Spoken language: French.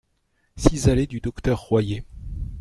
six allée du Docteur Royer